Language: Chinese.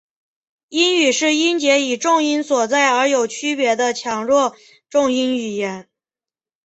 英语是音节以重音所在而有区别的强弱重音语言。